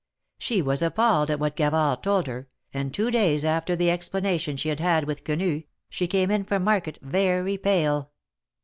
She was appalled at what Gavard told her, and two days after the explanation she had had with Quenu, she came in from market very pale.